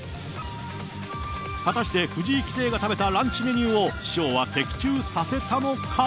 果たして、藤井棋聖が食べたランチメニューを、師匠は的中させたのか。